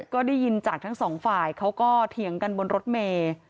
ก็ได้ยินจากทั้งสองฝ่ายเขาก็เถียงกันบนรถเมย์